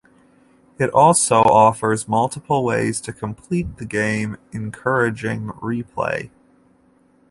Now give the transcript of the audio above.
It also offers multiple ways to "complete" the game, encouraging replay.